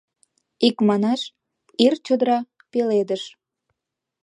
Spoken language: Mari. Икманаш, ир чодыра пеледыш.